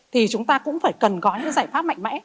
thì chúng ta cũng phải cần có những giải pháp mạnh mẽ